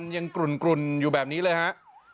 กลุ่นอยู่แบบนี้เลยฮะ